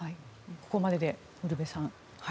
ここまででウルヴェさん。